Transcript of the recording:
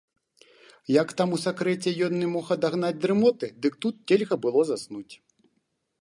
Як там у сакрэце ён не мог адагнаць дрымоты, дык тут нельга было заснуць.